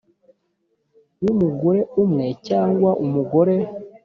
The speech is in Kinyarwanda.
w umugore umwe cyangwa umugore